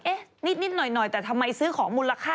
นิดหน่อยแต่ทำไมซื้อของมูลค่า